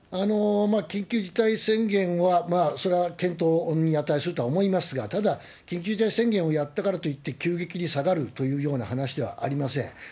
緊急事態宣言は、それは検討に値するとは思いますが、ただ、緊急事態宣言をやったからといって急激に下がるというような話ではありません。